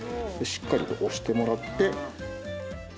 しっかりと押してもらって。